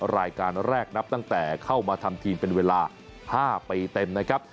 รายการแรกนับตั้งแต่เข้ามาทำทีมเป็นเวลา๕ปีเต็มนะครับ